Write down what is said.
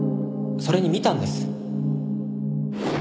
それに見たんです。